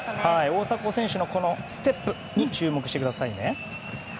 大迫選手のステップに注目してくださいね。